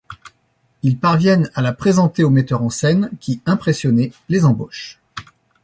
Ils parviennent à la présenter au metteur en scène qui, impressionné, les embauche...